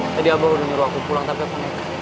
tadi abah udah nyuruh aku pulang tapi aku nengkep